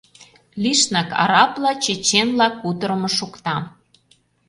Лишнак арабла, чеченла кутырымо шокта.